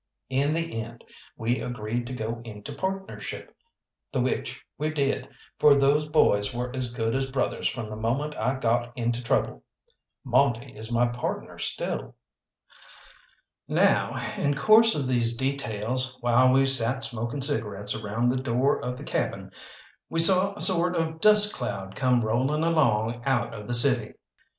In the end we agreed to go into partnership, the which we did, for those boys were as good as brothers from the moment I got into trouble. Monte is my partner still. Now, in course of these details, while we sat smoking cigarettes around the door of the cabin, we saw a sort of dust cloud come rolling along out of the city.